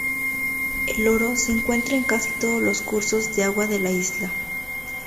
El oro se encuentra en casi todos los cursos de agua de la isla.